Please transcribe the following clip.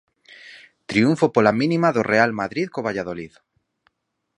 Triunfo pola mínima do Real Madrid co Valladolid.